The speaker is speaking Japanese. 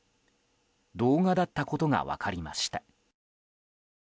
動画だったことが分かりました。